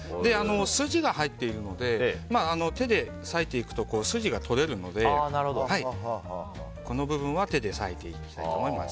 筋が入っているので手で裂いていくと筋が取れるのでこの部分は手で裂いていきたいと思います。